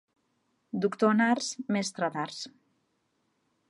Doctor en arts, mestre d’arts.